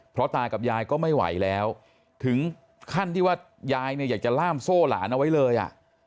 เพราะตากับยายก็ไม่ไหวแล้วถึงขั้นที่ว่ายายเนี่ยอยากจะล่ามโซ่หลานเอาไว้เลยอ่ะ